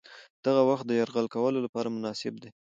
دغه وخت د یرغل کولو لپاره مناسب دی.